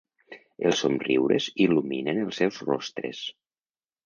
Els somriures il·luminen els seus rostres.